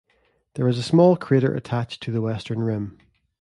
There is a small crater attached to the western rim.